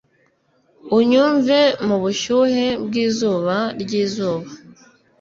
unyumve mubushyuhe bwizuba ryizuba.